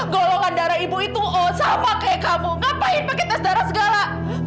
golongan darah ibu itu oh sama kayak kamu ngapain pakai tes darah segala